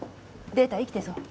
データ生きてそう？